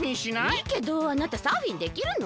いいけどあなたサーフィンできるの？